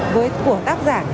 với của tác giả